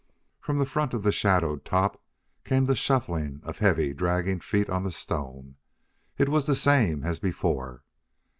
From the front of the shadowed top came the shuffling of heavy, dragging feet on the stone. It was the same as before.